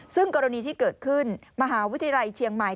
ซึ่งกรณีที่เกิดขึ้นมหาวิทยาลัยเชียงใหม่